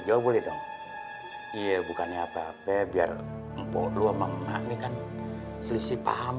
jauh boleh dong iya bukannya apa apa biar empok lu mama nih kan selisih paham